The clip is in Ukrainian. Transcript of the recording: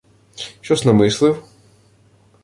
— Що-с намислив?